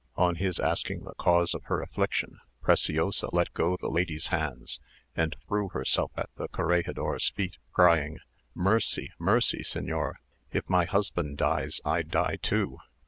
On his asking the cause of her affliction, Preciosa let go the lady's hands, and threw herself at the corregidor's feet, crying, "Mercy, mercy, señor! If my husband dies, I die too.